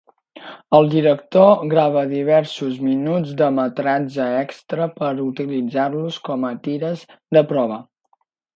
El director grava diversos minuts de metratge extra per utilitzar-los com a tires de prova.